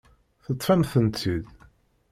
Yeṭṭef-am-tent-id.